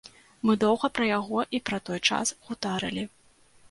Мы доўга пра яго і пра той час гутарылі.